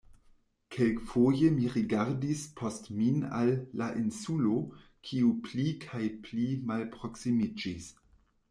Kelkfoje mi rigardis post min al "la Insulo", kiu pli kaj pli malproksimiĝis.